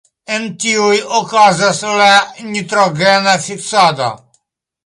En tiuj okazas la nitrogena fiksado.